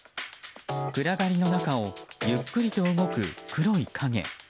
暗がりの中をゆっくりと動く黒い影。